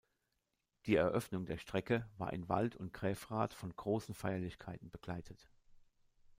Die Eröffnung der Strecke war in Wald und Gräfrath von großen Feierlichkeiten begleitet.